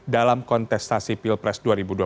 dalam kontestasi pilpres dua ribu dua puluh